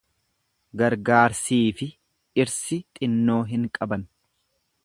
Gargaarsiifi dhirsi xinnoo hin qaban.